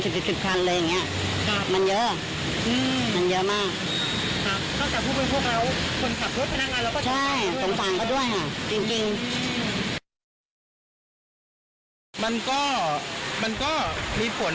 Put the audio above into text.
แทนที่จะมาขึ้นตรงนี้ครับ